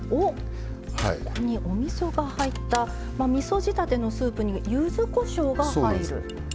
ここにおみそが入ったみそじたてのスープにゆずこしょうが入る。